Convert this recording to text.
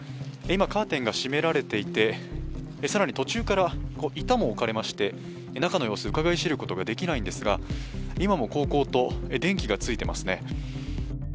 今、カーテンが閉められていて、更に途中から板も置かれまして、中の様子うかがい知ることができないんですが今もこうこうと電気がついていますね。